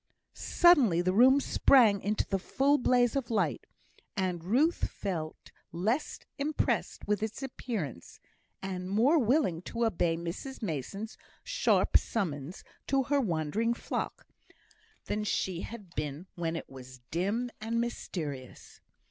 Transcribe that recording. Suddenly the room sprang into the full blaze of light, and Ruth felt less impressed with its appearance, and more willing to obey Mrs Mason's sharp summons to her wandering flock, than she had been when it was dim and mysterious.